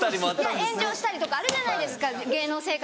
炎上したりとかあるじゃないですか芸能生活